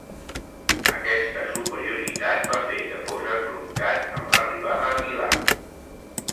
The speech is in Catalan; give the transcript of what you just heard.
Aquesta superioritat va fer que fos esbroncat en l'arribada a Milà.